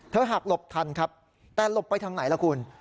หักหลบทันครับแต่หลบไปทางไหนล่ะคุณ